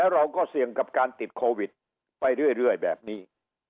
เราก็เสี่ยงกับการติดโควิดไปเรื่อยแบบนี้